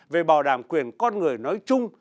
về bảo đảm quyền con người nói chung